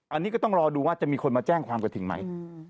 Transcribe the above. อันนี้ก็ต้องรอดูว่าจะมีคนมาแจ้งความกระถิ่นไหม